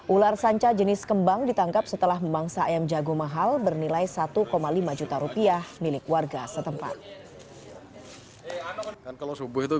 ular sanca jenis kembang ditangkap setelah memangsa ayam jago mahal bernilai satu lima juta rupiah milik warga setempat